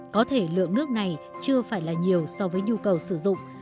có thể lượng nước này chưa phải là nhiều so với nhu cầu sử dụng